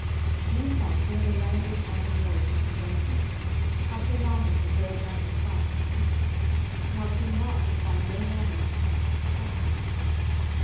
Meanwhile came the language and the noise unto young Tristram how Sir Marhaus abode battle fast by Tintagil, and how King Mark could find no manner of knight to fight for him.